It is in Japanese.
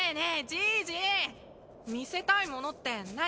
じいじ見せたいものって何？